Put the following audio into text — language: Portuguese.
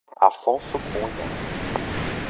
Afonso Cunha